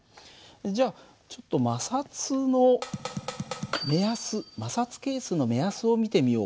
じゃあちょっと摩擦の目安摩擦係数の目安を見てみようか。